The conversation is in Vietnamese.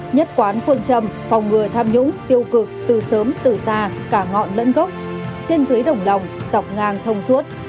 nhất quán phương châm phòng ngừa tham nhũng tiêu cực từ sớm từ xa cả ngọn lẫn gốc trên dưới đồng lòng dọc ngang thông suốt